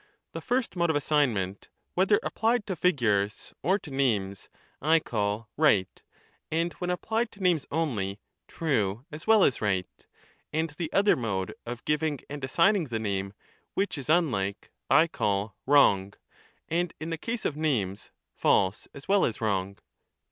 the first mode of assignment, whether applied to figures or to names, I call right, and when applied to names only, true as well as right ; and the other mode, of giving and assigning the name which is un hke, I call wrong, and in the case of names, false as well as wrong.